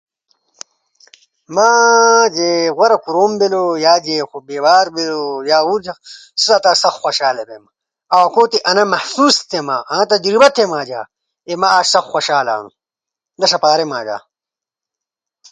مہ جھئ غورہ کوروم بیلؤ یا جھئ بیبار بیلؤ مہ لالو خوشحالہ بیمہ او اکوتی انہ محسوس تھئی مہ چی اج مالالو خوشحالہ ہنو